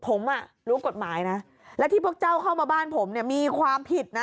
ผมอ่ะรู้กฎหมายนะและที่พวกเจ้าเข้ามาบ้านผมเนี่ยมีความผิดนะ